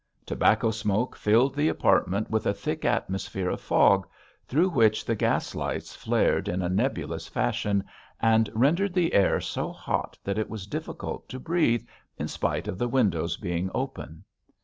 Tobacco smoke filled the apartment with a thick atmosphere of fog, through which the gas lights flared in a nebulous fashion, and rendered the air so hot that it was difficult to breathe in spite of the windows being open.